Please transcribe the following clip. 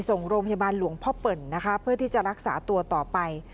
ส่งโรงพยาบาลหลวงพ่อเปิ่นนะคะเพื่อที่จะรักษาตัวต่อไป